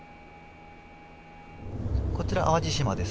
こちら、淡路島です。